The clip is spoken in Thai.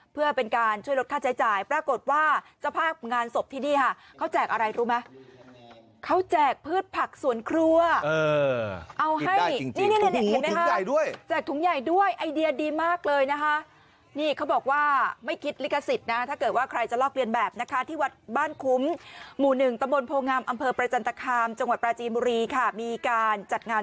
เพื่อเป็นการช่วยลดค่าใช้จ่ายปรากฏว่าเจ้าภาพงานศพที่นี่ค่ะเขาแจกอะไรรู้ไหมเขาแจกพืชผักสวนครัวเอาให้นี่เห็นไหมคะแจกถุงใหญ่ด้วยไอเดียดีมากเลยนะคะนี่เขาบอกว่าไม่คิดลิขสิทธิ์นะถ้าเกิดว่าใครจะลอกเรียนแบบนะคะที่วัดบ้านคุ้มหมู่หนึ่งตะบนโพงามอำเภอประจันตคามจังหวัดปราจีนบุรีค่ะมีการจัดงาน